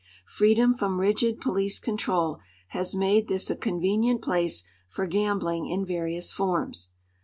Freedom from rigid police con trol has made this a convenient place for gambling in various forms.